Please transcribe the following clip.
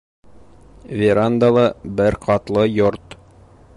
Верандалы бер ҡатлы йорт